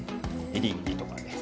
エリンギとかね